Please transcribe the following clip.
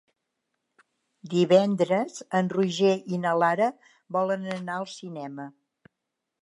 Divendres en Roger i na Lara volen anar al cinema.